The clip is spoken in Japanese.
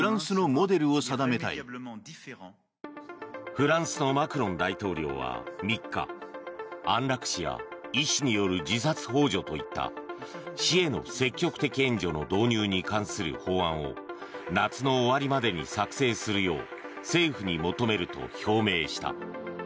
フランスのマクロン大統領は３日安楽死や医師による自殺ほう助といった死への積極的援助の導入に関する法案を夏の終わりまでに作成するよう政府に求めると表明した。